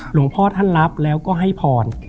หลวงพ่อท่านรับแล้วก็ให้พร